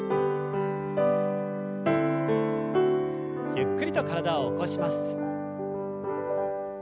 ゆっくりと体を起こします。